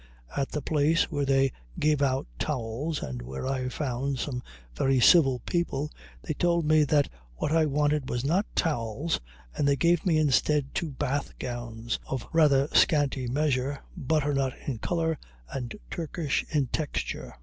At the place where they gave out towels, and where I found some very civil people, they told me that what I wanted was not towels, and they gave me instead two bath gowns, of rather scanty measure, butternut in color and Turkish in texture.